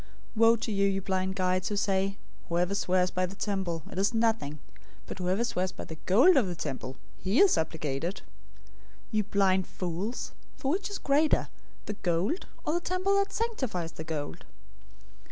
023:016 "Woe to you, you blind guides, who say, 'Whoever swears by the temple, it is nothing; but whoever swears by the gold of the temple, he is obligated.' 023:017 You blind fools! For which is greater, the gold, or the temple that sanctifies the gold?